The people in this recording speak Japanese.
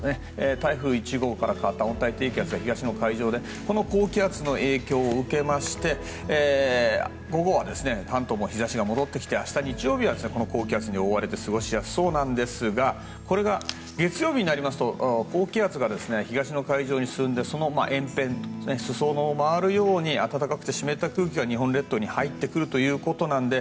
台風１号から変わった温帯低気圧が東の海上でこの高気圧の影響を受けまして午後は関東も日差しが戻ってきて明日日曜日は高気圧に覆われて過ごしやすそうなんですがこれが月曜日になりますと高気圧が東の海上に進んで、その縁辺裾野を回るように暖かく湿った空気が日本列島に入ってくるということで